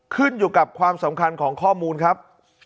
ขึ้นอยู่กับความสำคัญของข้อมูลครับ